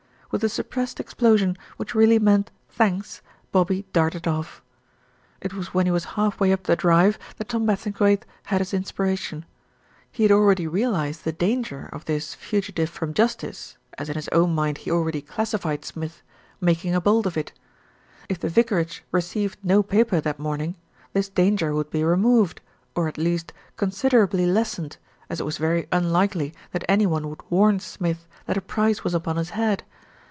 With a suppressed explosion which really meant thanks, Bobby darted off. It was when he was half way up the drive that Tom Bassingthwaighte had his inspiration. He had already SIR JOHN HILDRETH 283 realised the danger of this fugitive from justice, as in his own mind he already classified Smith, making a bolt of it. If the vicarage received no paper that morning, this danger would be removed, or at least considerably lessened, as it was very unlikely that any one would warn Smith that a price was upon his head.